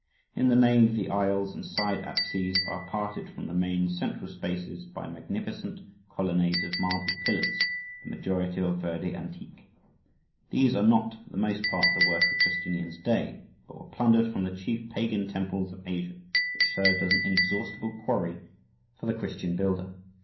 In the nave the aisles and side apses are parted from the main central spaces by magnificent colonnades of marble pillars, the majority of verde antique. These are not for the most part the work of Justinian's day, but were plundered from the chief pagan temples of Asia, which served as an inexhaustible quarry for the Christian builder.